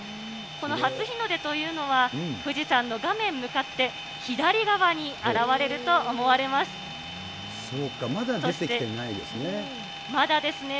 この初日の出というのは、富士山の画面向かって左側に現れると思われます。